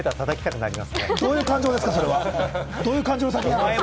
どういう感情ですか？